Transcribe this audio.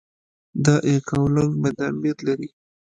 د یکاولنګ بند امیر لري